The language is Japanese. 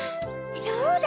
そうだ！